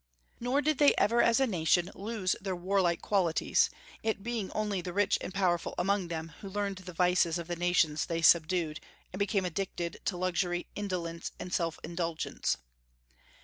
Nor did they ever as a nation lose their warlike qualities, it being only the rich and powerful among them who learned the vices of the nations they subdued, and became addicted to luxury, indolence, and self indulgence.